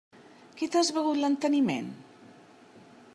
Que t'has begut l'enteniment?